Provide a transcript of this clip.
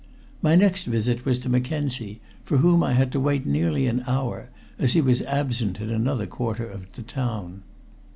My next visit was to Mackenzie, for whom I had to wait nearly an hour, as he was absent in another quarter of the town.